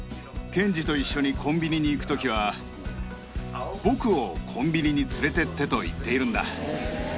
剣侍と一緒にコンビニに行くときは、僕をコンビニに連れてってと言っているんだ。